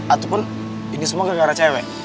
ataupun ini semua gara gara cewek